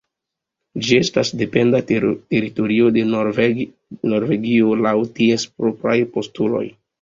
Ĝi estas dependa teritorio de Norvegio laŭ ties propraj postuloj.